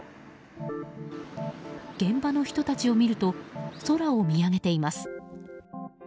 現場の人たちを見ると空を見上げています。